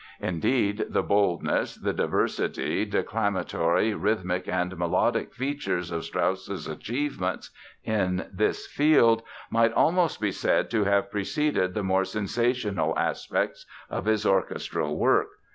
Indeed, the boldness, the diversity, declamatory, rhythmic and melodic features of Strauss's achievements in this field might almost be said to have preceded the more sensational aspects of his orchestral works.